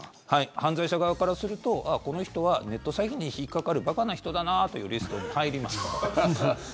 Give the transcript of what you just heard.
犯罪者側からするとああ、この人はネット詐欺に引っかかる馬鹿な人だなというリストに入ります。